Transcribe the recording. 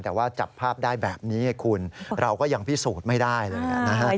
แต่ว่าจับภาพได้แบบนี้ไงคุณเราก็ยังพิสูจน์ไม่ได้เลยนะครับ